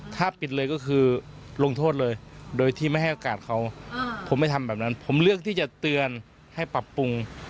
ถ้าปิดเลยก็คือลงโทษเลยโดยที่ไม่ให้โอกาสเขาผมไม่ทำแบบนั้นผมเลือกที่จะเตือนให้ปรับปรุง